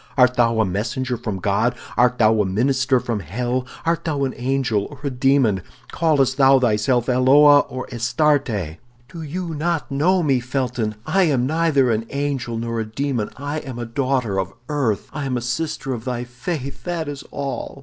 "Art thou a messenger from God; art thou a minister from hell; art thou an angel or a demon; callest thou thyself Eloa or Astarte?" "Do you not know me, Felton? I am neither an angel nor a demon; I am a daughter of earth, I am a sister of thy faith, that is all."